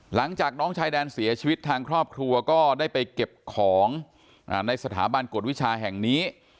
หลังจากน้องชายแดนเสียชีวิตทางครอบครัวก็ได้ไปเก็บของในสถาบันกฎวิชาแห่งนี้